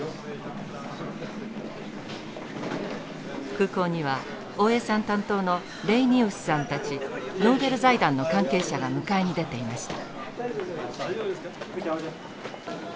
空港には大江さん担当のレイニウスさんたちノーベル財団の関係者が迎えに出ていました。